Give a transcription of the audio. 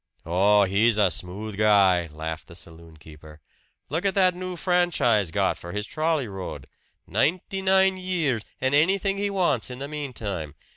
"Oh, he's a smooth guy!" laughed the saloon keeper. "Look at that new franchise got for his trolley road ninety nine years, and anything he wants in the meantime!